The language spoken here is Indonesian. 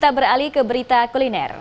kita beralih ke berita kuliner